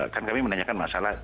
kan kami menanyakan masalah